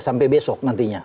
sampai besok nantinya